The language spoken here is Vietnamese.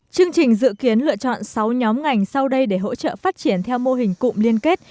chương trình dự kiến lựa chọn sáu nhóm ngành sau đây để hỗ trợ phát triển theo mô hình cụm liên kết